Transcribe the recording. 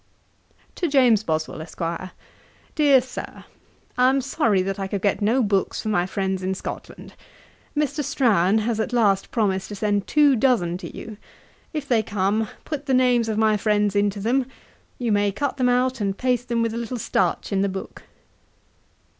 To JAMES BOSWELL, ESQ. 'DEAR SIR, 'I am sorry that I could get no books for my friends in Scotland. Mr. Strahan has at last promised to send two dozen to you. If they come, put the names of my friends into them; you may cut them out, and paste them with a little starch in the book.